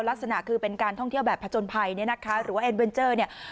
ลักษณะคือเป็นการท่องเที่ยวแบบผจญภัยเนี่ยนะคะหรือว่าเอ็นเวนเจอร์เนี่ย